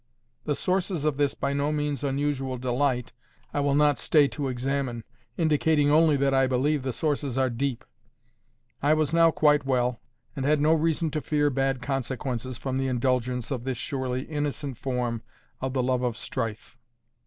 The sources of this by no means unusual delight, I will not stay to examine, indicating only that I believe the sources are deep.—I was now quite well, and had no reason to fear bad consequences from the indulgence of this surely innocent form of the love of strife.